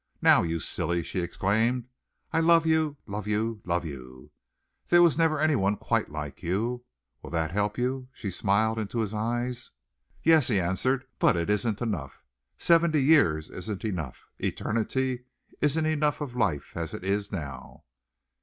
"Now, you silly," she exclaimed, "I love you, love you, love you! There was never anyone quite like you. Will that help you?" she smiled into his eyes. "Yes," he answered, "but it isn't enough. Seventy years isn't enough. Eternity isn't enough of life as it is now."